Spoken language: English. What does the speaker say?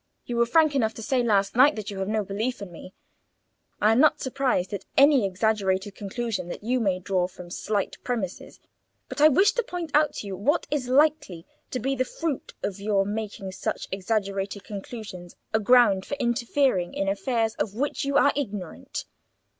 You were frank enough to say last night that you have no belief in me. I am not surprised at any exaggerated conclusion you may draw from slight premises, but I wish to point out to you what is likely to be the fruit of your making such exaggerated conclusions a ground for interfering in affairs of which you are ignorant.